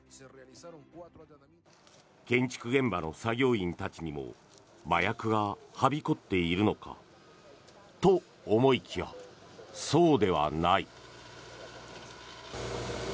建築現場の作業員たちにも麻薬がはびこっているのかと思いきや、そうではない。